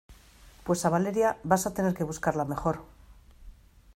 pues a Valeria vas a tener que buscarla mejor